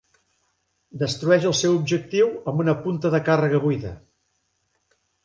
Destrueix el seu objectiu amb una punta de càrrega buida.